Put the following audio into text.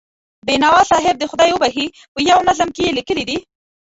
بینوا صاحب دې خدای وبښي، په یوه نظم کې یې لیکلي دي.